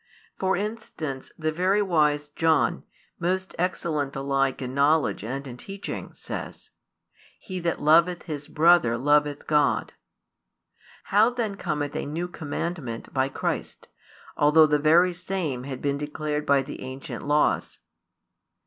For instance, the very wise John, most excellent alike in knowledge and in teaching, says: He that loveth his brother loveth God. How then cometh a new commandment by Christ, although the very same had been declared by the ancient laws?"